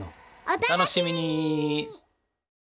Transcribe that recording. お楽しみに！